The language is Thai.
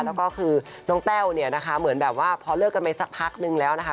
แล้วก็คือน้องแต้วเนี่ยนะคะเหมือนแบบว่าพอเลิกกันไปสักพักนึงแล้วนะคะ